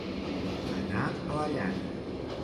Anar a la llana.